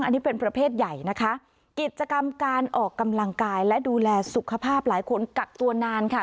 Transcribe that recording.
อันนี้เป็นประเภทใหญ่นะคะกิจกรรมการออกกำลังกายและดูแลสุขภาพหลายคนกักตัวนานค่ะ